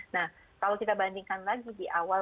nah kalau kita bandingkan lagi di awal